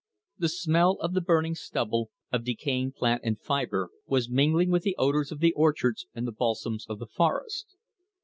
The smell of the burning stubble, of decaying plant and fibre, was mingling with the odours of the orchards and the balsams of the forest.